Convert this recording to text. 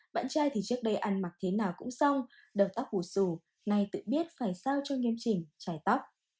bạn trai thì trước đây ăn mặc thế nào cũng xong đầu tóc bù sổ nay tự biết phải sao cho nghiêm trình trải tóc